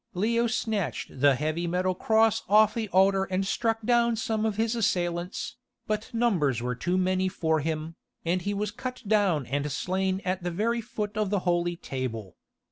Leo snatched the heavy metal cross off the altar and struck down some of his assailants, but numbers were too many for him, and he was cut down and slain at the very foot of the holy table.